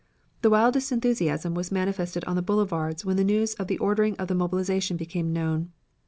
The wildest enthusiasm was manifested on the boulevards when the news of the ordering of the mobilization became known.